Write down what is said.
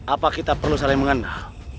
apa kita perlu saling mengenal